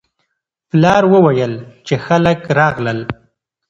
پلار وویل چې خلک راغلل.